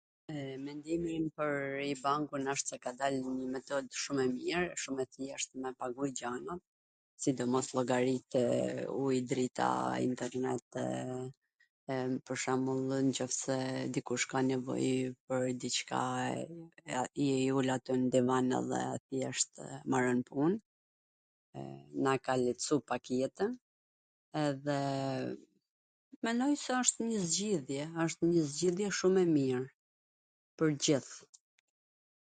Mendimi im pwr iBANkun wsht se ka dal njw metod shum e mir, shum e thjesht, me pagu gjanat, sidomos llogarit e ujit, drita, internet, e, pwr shwmbwllw nw qoft se dikush ka nevoj pwr dicka rri ul atje n divan edhe maron pun, na e ka letsu pak jetwn, edhe menoj se asht njw zgjidhje, asht njw zgjidhje shum e mir pwr t gjith.